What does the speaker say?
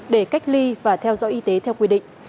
để cách ly và theo dõi y tế theo quy định